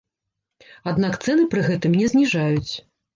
Аднак цэны пры гэтым не зніжаюць.